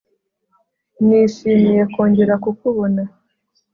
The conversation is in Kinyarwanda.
nishimiye kongera kukubona